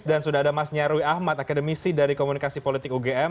dan sudah ada mas nyarwi ahmad akademisi dari komunikasi politik ugm